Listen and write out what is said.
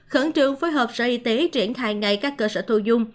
khẩn trương phối hợp sở y tế triển khai ngay các cơ sở thu dung